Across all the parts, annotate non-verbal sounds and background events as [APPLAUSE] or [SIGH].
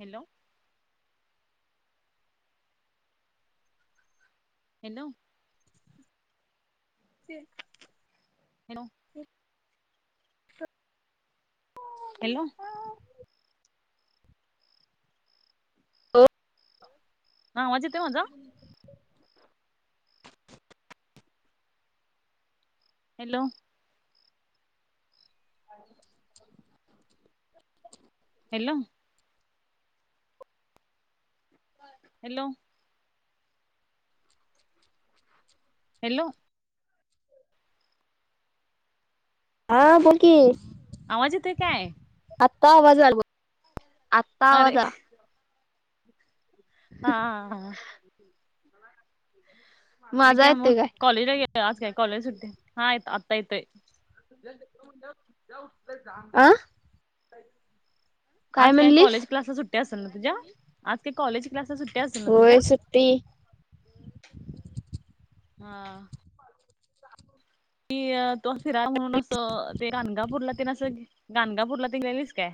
Hello hello ते हॅ hello हो हा आवाज येतो माझा हॅलो [UNINTELLIGIBLE] हॅलो हॅलो हॅलो हा बोल कि आवाज येतयं काय आत्ता आवाज आला बघ आत्ता अरे आवाज आ हा हा हा आणि माझा काय मग येतोय कॉलेज आज काय कॉलेज सुट्टी हा आता येतोय, ह् आज काय कॉलेज क्लास सुट्टी असेल ना तुझ्या आज ते कॉलेज क्लासेस सुट्या असतील ना तुझ्या होय सुट्टी हा कि तो फिरा म्हणून असं ते गानगापूरला त गानगापूरला ती गेलीच काय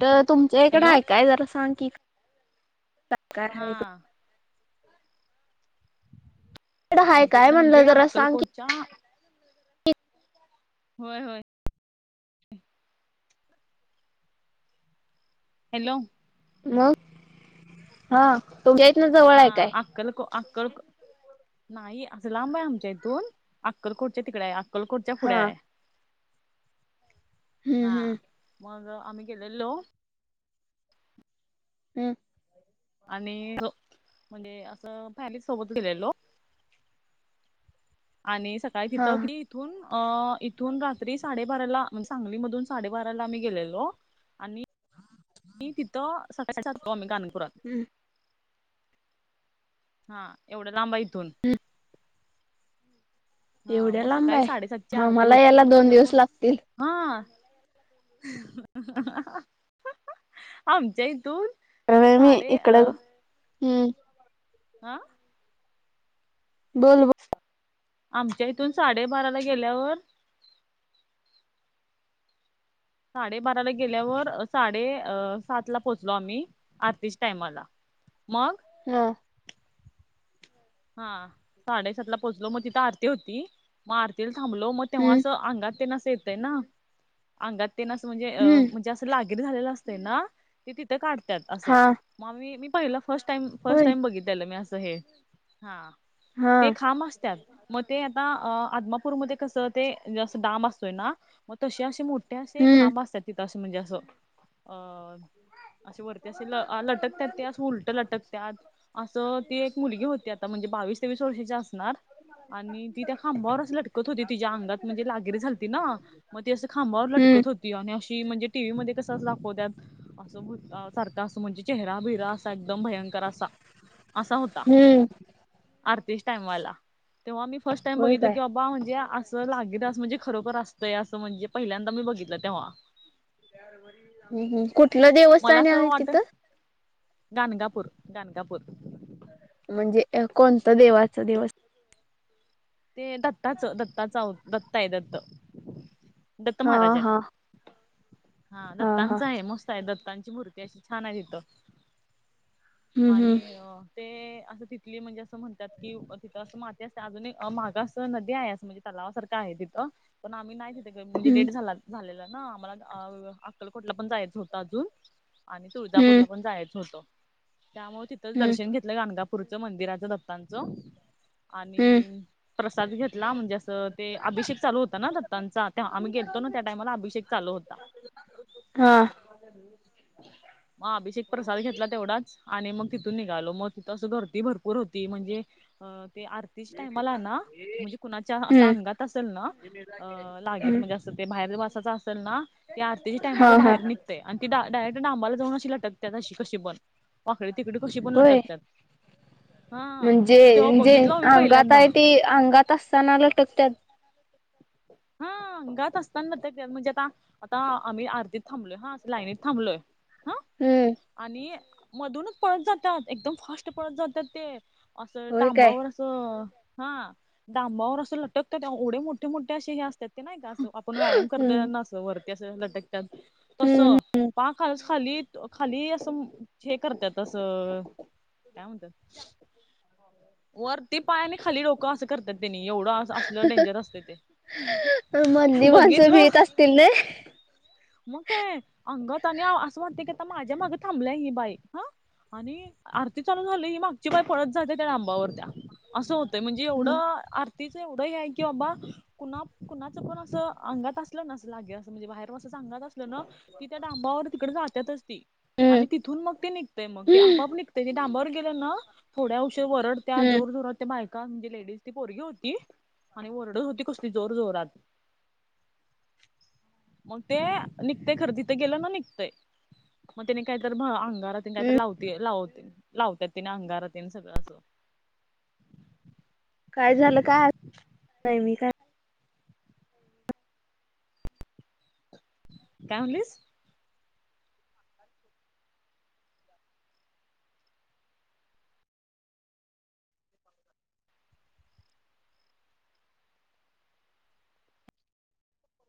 तर तुमच्या इकडें हॅलो ऐकाय जरा सांग की काय हा आहे इकडं तिकडं काय म्हणलं जरा सांग चहा होय होय हॅलो मग हा तो घ्याय इथनं जवळ आहे काय अक्कलक अक्कल नाही असं लांब आहे आमच्या इथून अक्कलकोटच्या तिकडे आहे अक्कलकोटच्या पुढे हा आहे हम्म हा हम्म मग आम्ही गेलेलो. ह. आणि म्हणजे असं फाॅमेली सोबत गेलेलो आणि सकाळी हा तिथं कि इथून अ.. इथून रात्री साडेबाराला म्हण सांगलीमधून साडेबाराला आम्ही गेलेलो. आणि तिथं सकाळी जाततो आमी गानगापुरात हमं. हा. एवढं लांब आय इथून. ह. हा येवढ्या मग लांब सकाळी आए? साडेसातची हा, आरती मला होती यायला मग दोन तिथं प दिवस लागतील. हा. आमच्या इथून अरे मी साडे इकडं अं हम्म हं? बोल बो आमच्या इथून साडेबाराला गेल्यावर साडेबाराला गेल्यावर साडे अ सात ला पोचलो आम्ही आरतीच्या टायमाला. मग? हा. हा. साडेसातला पोचलो. म तिथं आरती होती. म आरतीला थांबलो म तेव्हा हम्म असं अंगातन असं येतय ना अंगात येणं असं म्हणजे अ हम्म म्हणजे अस लाकिट घालेल असतंय ना ते तिथं काढत्यात आसं. हा म आमी पहिलं फस्ट टाईम फस्ट होय टाईम बघितलेलं मी आसं हे. हा हा ते खांम असत्यात. म ते आता अ-आदमापूरमध्ये कसं ते जं डाम असतोय ना म तशी अशी मूर् ते आशे हम्म खांब असतात तिथंं म्हणजे आसं अ असे वरती असे लटकत्यात ते असं उलटं लटकतात. असं ते एक मुलगी होत्यात म्हणजे बावीस वीस वर्षांची असणार. आणि ती त्या खांबावरच लटकत होती. तिच्या अंगात म्हणजे लागेरी झालती ना. म ती असं खांबावर हम्म लटकत होती आणि अशी म्हणजे टीव्ही मध्ये कसं दाखवत्यात असं सारखा असं म्हणजे चेहरा बिहरा असा एकदम भयंकर असा असा होता. हम्म. आरतीस टाइमवाला, तेव्हा मी फस्ट टाइम होय बघितलं काय की बाबा म्हणजे लागीर अस म्हणजे खरोखर असतंय असं म्हणजे पहिल्यांदा मी बघितलं तेव्हा ह् ह.. कुठ मला असं वाट गानगापूर गानगापूर म्हणजे कोणता देवाचा दिवस? ते दत्ताचं दत्ताचं अव दत्त आए दत्त दत्त हा महाराज आएत. हा हा दत्तांच आए मस्त आए दत्तांची मूर्ती अशी छान आयः तिथं. हम्म आणि हम्म अ ते असं तिथली म्हणजे असं म्हणतात कि तिथं असं माती सते आजूनही मांग असं नदी आए असं म्हणजे तलावासारखं आहे तिथं पण आम्ही नाही गेलो म्हणजे लेट झाला झालेला ना आम्हाला अक्कलकोटला पण जायचं होतं अजून आणि हम्म तुळजापूरला पण जायच होतं. त्यामुळ तिथंच हम्म हम्म दर्शन घेत गाणगापूरचं मंदिराचं दत्तांचं हम्म आणि प्रसाद घेतला म्हणजे असं ते अभिषेक चालू होता ना दत्तांचा, त्या आम्ही गेलतो ना त्या टायमाला अभिषेक चालू होता. हा. ह मग अभिषेक प्रसाद घेतला तेवढाच आणि मग तिथून निघालो मग तसं घरती भरप पूर होती म्हणजे अ.. ते आरतीच्या टायमाला ना म्हणजे कुणाच्या आसं हम्म आंगात आसल ना अं लागीर हम्म म्हणजे असं ते बाहेर बसाचं असेल ना ते आरतीच्या टायमाला हा हा भाहेर निघतंय आणि तिथं डायरेक्ट डाबाला जाऊन अशी लटकतात अशी कशी पण वाकडी तिकडे कशी पण होय लटकत्यात. म्हणजे जे मी अंगात पहिल्यांदा आहे ते अंगात असताना लटकत्यात. हा अंघात असता ना ते म्हणजे आता. आता आम्ही आरतीत थांबलोय हा लाईनीत थांबलोय हा. हम्म. आणि मधूनच पळत जातात एकदम फर्स्ट पळत जातात ते असं होय काय डाबावर. हा डाबावर असं लटकतात एवढे मोठे मोठे असे हे असतात. नाही का अस आपण व्यायाम करतोय हम्म न वरती असं लटकत तस हम्म पा खा खाली खाली असं हे करतात असं काय म्हणत्यात. वरती पाय नाही खाली लोकं असं करतात त्यांनी एवढं. असलं डेंजर असत ते मधली माणसं बघितलं. भीत असतील ना मग काय अंगात आणि असं वाटत की आता माझ्या माग थांबलं ही बाई हा. आणि आरती चालू झाली ही मागची बाई पळत जात्या डाब. वर त्या असं होतय म्हणजे हम्म एवढं आरतीच एवढं ह आहे की बाबा. कुणा कुणाचं पण असं अंगात असलं ना असं लागे असं म्हणजे बाहेरसच अंगात अस. न ती त्या डांबावर तिकडे जातात असती. आणि तिथून मग ते निघतय मग ते हम्म आपा आप निघतंय ते डांबवर गेलं ना. थोड्या उशी वरडत्या जोर जोरात ते बायका. का म्हणजे लेडीज ती पोरगी होती आणि वरडच होती कसली जोर जोरात. मग ते निघतेय खर तिथं गेलं ना निघतंय. मग त्याने काहीत अंगारात काय तर हम्म लाव लावते लावतात तिने अंगारात सगळं असं. काय झालं का नाही मी काय. काय म्हलीस.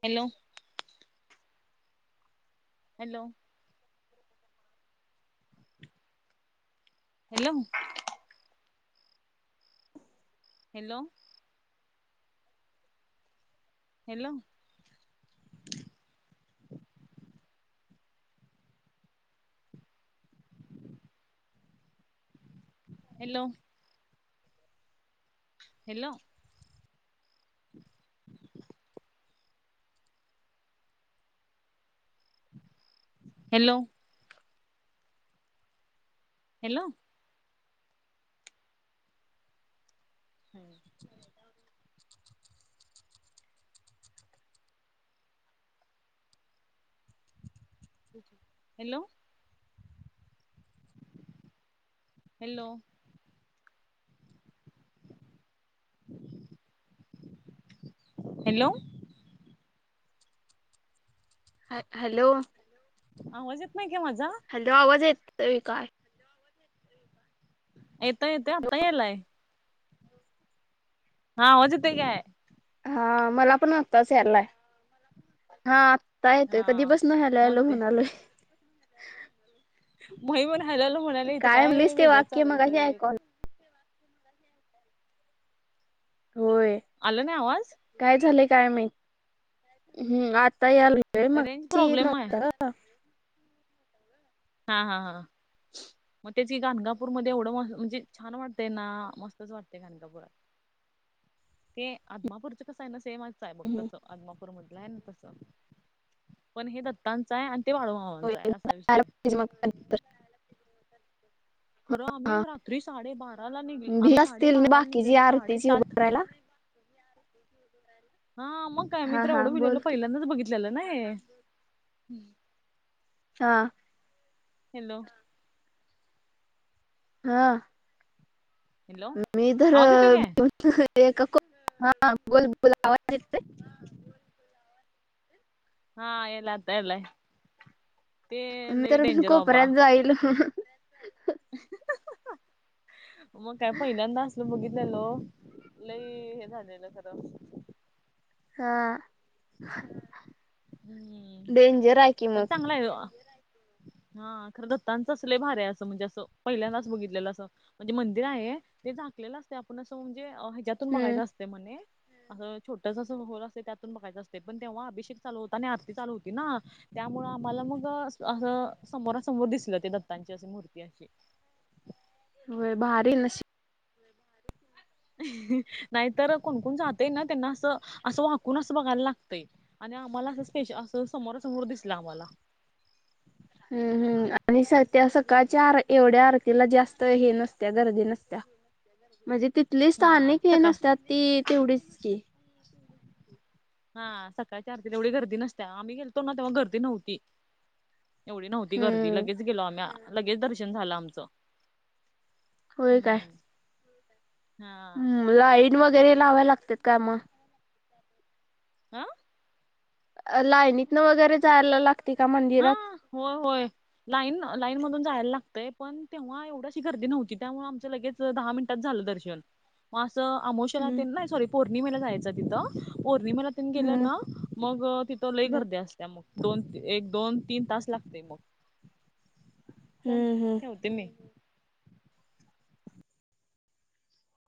Hello. Hello. Hello. Hello. Hello. Hello. Hello. [INAUDIBLE] Hello. Hello. हं हॅलो. हॅलो. हॅलो. ह हॅलो. आवाज येत नाही का माझा. हॅलो आवाज येतो काय. येत येत आत्ता यायलाय हा आवाज येतोय काय. हा मला पण आताच यायला. हा आत्ता येतो कधी हा पासून हॅलो मग हॅलो ते म्हणालोय. मही म्हण हलायला म्हणायला इथं काय म्हणलीस ते वेगळंच वाक्य चालू इथं मगाशी हे. ऐकू आलं होय. आला ना आवाज. काय झालेय काय माहित हम्म आता याल रेंज मगाशी येत प्रॉब्लेम आहे नव्हत. हा हा हा. मग त्याची गानगापूर मध्ये एवढं म म्हणजे छान वाटतय ना मस्तच वाटते गाणगापूरात. ते आदमापूरचं कसं आहे ना सेम असं हाय बघ तस आदमापूर मधलं आहे ना तसं. पण हे दत्तांचं आहे अन ते वाढवा [UNINTELLIGIBLE] खरं आम्ही हा रात्री साडेबाराला निघले भी आम्ही असतील ना साडेबाराला बाकीची निघलेलो आरतीची उभं साडेसात करायला हां, मग काय मी हा तर हा एवढं बोल भिलेलो की पहिल्यांदाच बघितलं लेलं ना हे. हा. हॅलो, हा. हॅलो मी तर आवाज येतोय काय एका को, हा बोल बोल आवाज येतोय? हा यायला आता यायला. ते लई डेंजर बाबा. पाहिल. मग काय पहिल्यांदा असल बघितलेलो, लई हे झालेलं खरं. हा. हं. डेंजर आहे की पण मग चांगला आहे तो. हा खर दत्तांच लय भारीये असं. म्हणजे असं पहिल्यांदाच बघितलेलं असं. म्हणजे मंदिर आहे ते झाकलेलं असते आपण असं म्हणजे ह्याच्यात तून हम्म बागायचं असते म्हने. अस छोटस अस होल असतं त्यातून बघयचं असत. ते पण तेव्हा अभिषेक चालू होता आणि आरती चालू होती ना. त्यामुळं आम्हाला मग असं समोरासमोर दिसलं ते दत्तांची अशी मूर्ती अशी. व्हय. भारी नशि नाहीतर कोणकोण जातय ना, त्यांना असं असं वाकून असं बघायला लागतय. आणि आम्हाला असं स्पेश असं समोरा समोर दिसला आम्हाला. हं हं आणि सद्या सकाळच्या आर एवढ्या आर तिला जास्त हे नसत्या गरदीे नसत्या. म्हणजे ती तले हा स्थानिक हे सकाळ नसतात ती तेवढीच की. [INAUDIBLE] हा सकाळीच्या आरतीला एवढी गर्दी नसते. आम्ही गेलतो ना तेव्हा गर्दी नव्हती. एवढी नव्हती गर्दी, हम्म. लगेच गेलो आम्ही. आ लगेच दर्शन झालं आमचं. होय काय? हां. हम्म लाईन वगैरे लावाय लागतेत काय म? अं? लायनीतन वगैरे जायला लागत हां. होय होय. लाईन लाईन मधून जायला लागतय पण तेव्हा एवढ अशी गर्दी नव्हती. त्यामुळे आमचं लगेच दहा मिनिटात झालं दर्शन. म असं आमावश्याला हम्म. तेन नाही सॉरी पौर्णिमेला जायच तिथं. पौर्णिमेला तेन हम्म गेलं ना, मग तिथ लय हम्म. गर्दी असत्या मग. दोन ते एक दोन तीन तास लागते मग. चल हम्म हम्म. ठेवते मी.